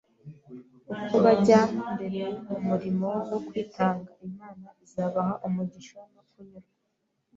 Uko bajya mbere mu murimo wo kwitanga, Imana izabaha umugisha no kunyurwa.